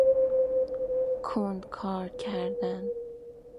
کند کار کردن